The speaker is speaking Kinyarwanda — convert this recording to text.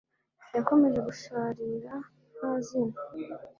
Yakomeje gusharira nta zina